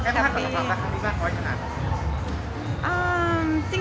แค่ความคาดหวังกับครั้งนี้บ้างหรือเปล่าอย่างนั้น